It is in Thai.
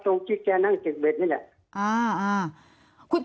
ตรงที่แกนั่งเจียดเบชน์